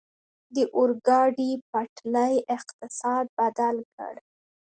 د اورګاډي پټلۍ اقتصاد بدل کړ.